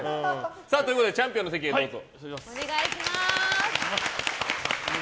チャンピオンの席へどうぞ。